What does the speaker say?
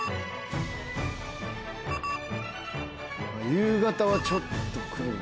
夕方はちょっと来る。